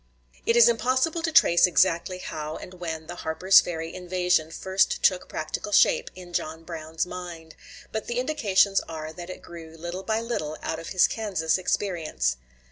] It is impossible to trace exactly how and when the Harper's Ferry invasion first took practical shape in John Brown's mind, but the indications are that it grew little by little out of his Kansas experience.